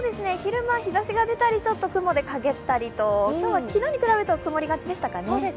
昼間、日ざしが出たり、ちょっと雲で陰ったりと、今日は昨日に比べると曇りがちでしたかね。